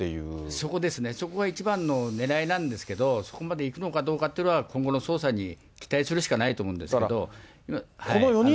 そこですね、そこが一番のねらいなんですけど、そこまでいくのかどうかっていうのは、今後の捜査に期待するしかないと思うんですけども。